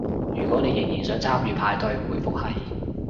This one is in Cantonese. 如果你仍然想參與派對，回覆係